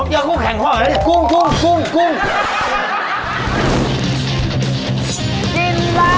อย่าพูดแข็งพ่อเลย